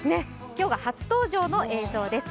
今日が初登場の映像です。